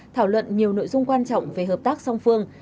thảo luận nhiều nội dung quan trọng về hợp tác song phương